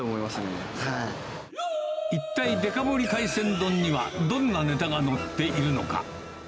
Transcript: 一体、デカ盛り海鮮丼にはどんなネタが載っているのか。